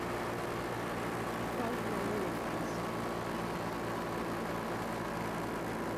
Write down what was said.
Because we are real friends.